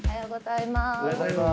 おはようございます。